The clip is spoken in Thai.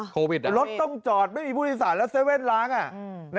โควิดรถต้องจอดไม่มีผู้ทิศาลแล้วเซเว่นล้างอ่ะอืม